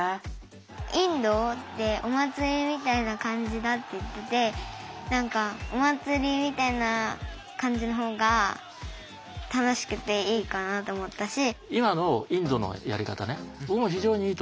インドってお祭りみたいな感じだって言ってて何かお祭りみたいな感じの方が楽しくていいかなと思ったし。